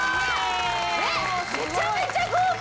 えっめちゃめちゃ豪華！